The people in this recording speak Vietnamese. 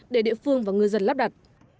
để địa phương và ngư dân lắp đặt